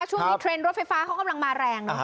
ช่วงนี้เทรนด์รถไฟฟ้าเขากำลังมาแรง